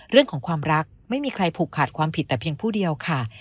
เรื่องของความรักไม่มีใครผูกขาดความผิดแต่เพียงผู้เดียวค่ะ